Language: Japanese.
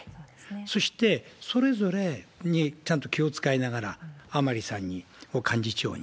そして、それぞれにちゃんと気を遣いながら、甘利さんに幹事長に。